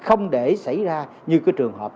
không để xảy ra như cái trường hợp